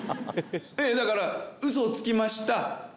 だから「ウソをつきました。